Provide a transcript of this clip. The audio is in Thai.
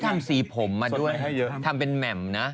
ทำสีผมมาด้วยทำเป็นแหม่มนะ